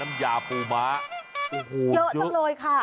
น้ำยาปูม้าโอ้โหเยอะจังเลยค่ะ